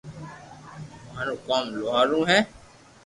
مارو ڪوم لوھار رو ھي